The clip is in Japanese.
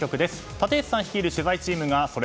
立石さん率いる取材チームがソレ